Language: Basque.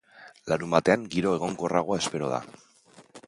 Larunbatean giro egonkorragoa espero da.